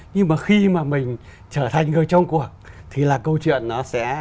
nhưng mà khi mà mình trở thành người trong cuộc thì là câu chuyện nó sẽ